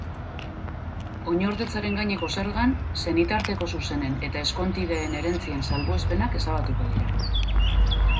Oinordetzaren gaineko zergan, senitarteko zuzenen eta ezkontideen herentzien salbuespenak ezabatuko dira.